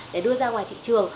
để đưa ra ngoài thị trường